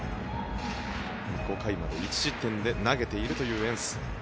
５回まで１失点で投げているというエンス。